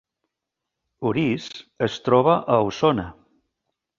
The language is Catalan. Orís es troba a Osona